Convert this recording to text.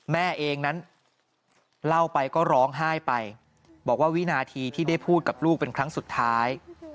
แม่เองนั้นเล่าไปก็ร้องไห้ไปบอกว่าวินาทีที่ได้พูดกับลูกเป็นครั้งสุดท้าย